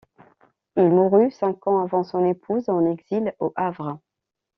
Il mourut cinq ans avant son épouse en exil, au Havre.